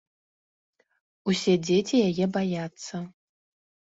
Усе дзеці яе баяцца.